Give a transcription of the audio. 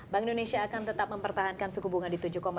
bank indonesia akan tetap mempertahankan suku bunga di tujuh lima